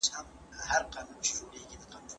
د وېښتو توېیدل په دوه ډوله وي.